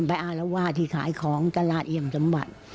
อารวาที่ขายของตลาดเอี่ยมสมบัติ